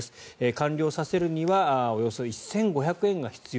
完了させるにはおよそ１５００億円が必要。